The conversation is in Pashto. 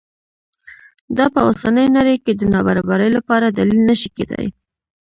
دا په اوسنۍ نړۍ کې د نابرابرۍ لپاره دلیل نه شي کېدای.